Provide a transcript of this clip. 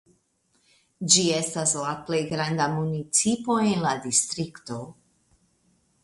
Ĝi estas la plej granda municipo en la distrikto.